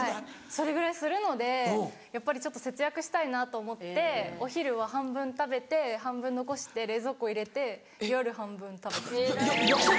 それぐらいするのでやっぱりちょっと節約したいなと思ってお昼は半分食べて半分残して冷蔵庫入れて夜半分食べてます。